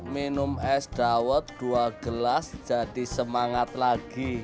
minum es dawet dua gelas jadi semangat lagi